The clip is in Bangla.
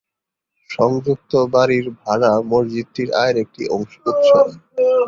সংযুক্ত বাড়ির ভাড়া মসজিদটির আয়ের একটি উৎস।